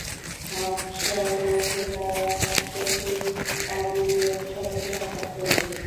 হাবশায় পৌঁছে তারা নাজ্জাশীর পাদ্রীদের সাথে সাক্ষাৎ করল।